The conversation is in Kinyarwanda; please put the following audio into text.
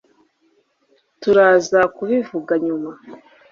turaza kubivuga nyuma